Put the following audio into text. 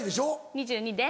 ２２です。